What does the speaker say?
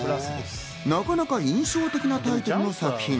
なかなか印象的なタイトルの作品。